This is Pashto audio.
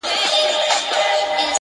څارنوال ته پلار ویله دروغجنه.